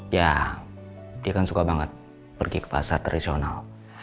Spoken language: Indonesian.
ya dia kan suka banget pergi ke pasar tradisional